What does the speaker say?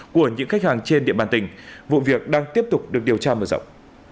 của những khách hàng trên địa bàn tỉnh vụ việc đang tiếp tục được điều tra mở rộng